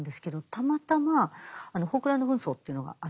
たまたまあのフォークランド紛争というのがあった。